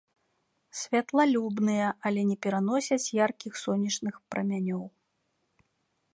Святлалюбныя, але не пераносяць яркіх сонечных прамянёў.